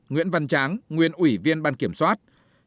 một nguyễn văn tráng nguyên ủy viên ban kiểm soát